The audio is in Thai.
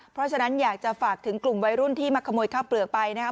เพราะฉะนั้นอยากจะฝากถึงกลุ่มวัยรุ่นที่มาขโมยข้าวเปลือกไปนะครับ